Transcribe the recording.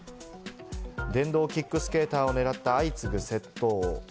電動キックスケーターを狙った相次ぐ窃盗。